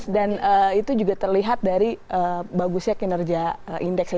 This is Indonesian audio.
dan itu juga terlihat dari bagusnya kinerja indeks